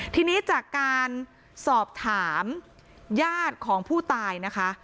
ทีนี้จากการสอบถามญาติของผู้ตายนะคะ